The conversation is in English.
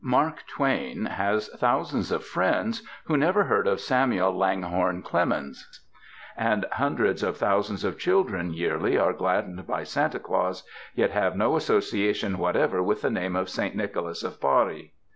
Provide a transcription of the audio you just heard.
Mark Twain has thousands of friends who never heard of Samuel Langhorne Clemens. And hundreds of thousands of children yearly are gladdened by Santa Claus, yet have no association whatever with the name of Saint Nicholas of Bari.